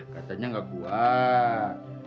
katanya gak kuat